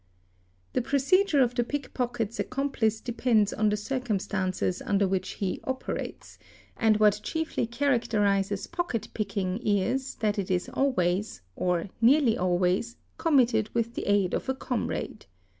The precedure of the pickpocket's accomplice depends on the cir cumstances under which he "operates", and what chiefly characterises pocket picking is that it is always, or nearly always, committed with the aid of a comrade.